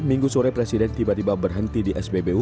minggu sore presiden tiba tiba berhenti di spbu